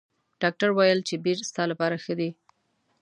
ډاکټر ویل چې بیر ستا لپاره ښه دي.